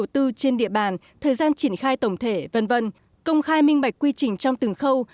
trên địa bàn thời gian triển khai tổng thể v v công khai minh bạch quy trình trong từng khâu